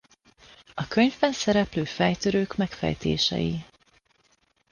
A könyvben szereplő fejtörők megfejtései.